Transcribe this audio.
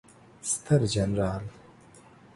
ستر جنرال